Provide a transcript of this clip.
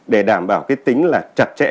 để đảm bảo cái tính là chặt chẽ